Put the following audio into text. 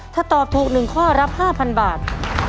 ถ้าตอบถูก๑ข้อรับ๕๐๐บาท